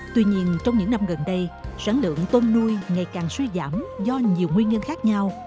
tuy nhiên trong những năm gần đây sản lượng tôm nuôi ngày càng suy giảm do nhiều nguyên nhân khác nhau